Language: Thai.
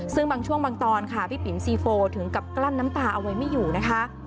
ซึ่งบางช่วงบางตอนค่ะพี่ปิ๋มซีโฟถึงกับกลั้นน้ำตาเอาไว้ไม่อยู่นะคะ